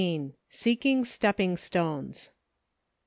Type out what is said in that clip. SEEKING STEPPING STONES.